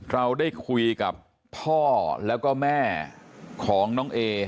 เราได้คุยกับพ่อแล้วก็แม่ของน้องเอ